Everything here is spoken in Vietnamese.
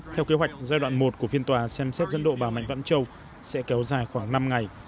theo kế hoạch giai đoạn một của phiên tòa xem xét dân độ bà mạnh vãn châu sẽ kéo dài khoảng năm ngày